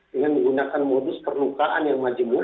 dengan menggunakan modus perlukaan yang majemur